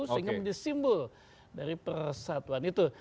sehingga menjadi simbol dari persatuan itu